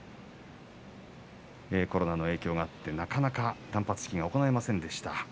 コロナの影響があってなかなか断髪式が行えませんでした。